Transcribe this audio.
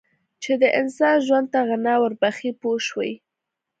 چې د انسان ژوند ته غنا ور بخښي پوه شوې!.